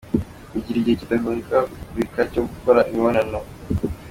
Kugira igihe kidahindagurika cyo gukora imibonano .